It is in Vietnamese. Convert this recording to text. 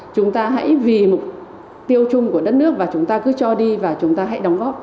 chúng ta hãy vì mục tiêu chung của đất nước và chúng ta cứ cho đi và chúng ta hãy đóng góp